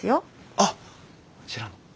あっあちらの。